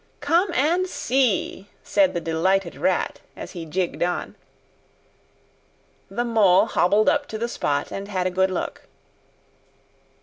"Come and see!" said the delighted Rat, as he jigged on. The Mole hobbled up to the spot and had a good look.